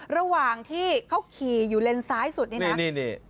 ระหว่างที่เขาขี่อยู่เลนซ้ายสุดนี่นะ